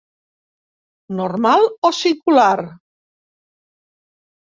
Normal o singular?